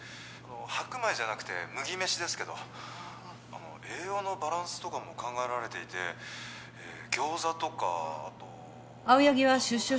白米じゃなくて麦飯ですけど栄養のバランスとかも考えられていて餃子とかあと青柳は出所した